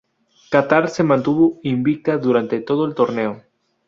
Catar se mantuvo invicta durante todo el torneo.